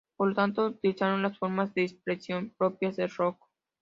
Por lo tanto, utilizaran las formas de expresión propias del rock.